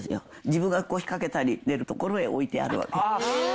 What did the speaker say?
自分が腰かけたり、寝る所に置いてあるわけ。